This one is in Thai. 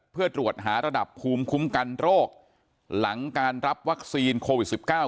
เพื่อตรวจหาระดับภูมิคุ้มกันโรคหลังการรับวัคซีนโควิด๑๙